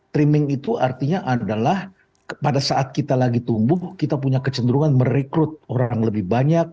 treaming itu artinya adalah pada saat kita lagi tumbuh kita punya kecenderungan merekrut orang lebih banyak